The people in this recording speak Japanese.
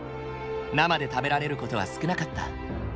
生で食べられる事は少なかった。